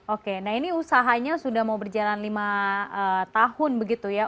oke nah ini usahanya sudah mau berjalan lima tahun begitu ya